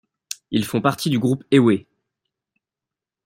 Ils font partie du groupe Ewe.